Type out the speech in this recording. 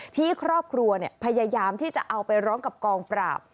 ที่ครอบครัวพยายามที่จะเอาไปร้องกับกองปราบ